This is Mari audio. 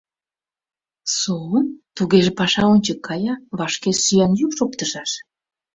— Со-о? Тугеже, паша ончык кая, вашке сӱан йӱк шоктышаш?